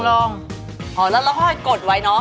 อ๋อแล้วเราก็ให้กดไว้เนอะ